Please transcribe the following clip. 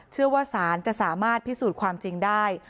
เชื่อว่าศาลจะสามารถพิสูจน์ความจริงได้